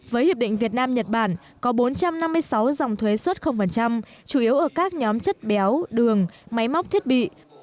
với hiệp định việt nam nhật bản có bốn trăm năm mươi sáu dòng thuế xuất chủ yếu ở các nhóm chất béo đường máy móc thiết bị